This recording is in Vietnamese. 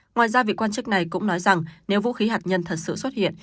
ngoài ra vị quan chức này cũng nói rằng nếu vũ khí hạt nhân thật sự xuất hiện